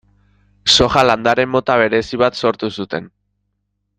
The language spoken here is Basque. Soja landare mota berezi bat sortu zuten.